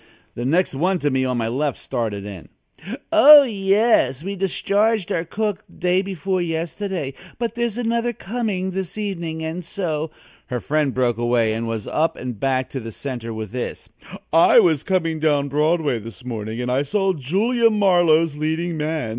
The next one to me on my left started in: "Oh, yes; we discharged our cook day before yesterday, but there's another coming this evening, and so " Her friend broke away and was up and back to the center with this: "I was coming down Broadway this morning and I saw Julia Marlowe's leading man.